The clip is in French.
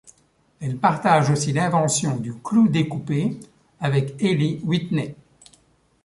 Elle partage aussi l'invention du clou découpé avec Éli Whitney.